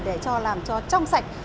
để cho làm cho trong sạch